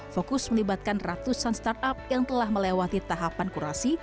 fokus melibatkan ratusan startup yang telah melewati tahapan kurasi